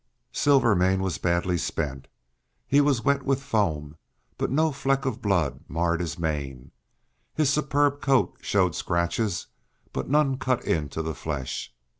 Silvermane was badly spent; he was wet with foam, but no fleck of blood marred his mane; his superb coat showed scratches, but none cut into the flesh.